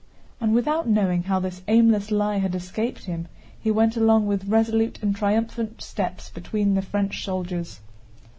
And without knowing how this aimless lie had escaped him, he went along with resolute and triumphant steps between the French soldiers.